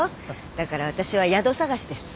だから私は宿探しです。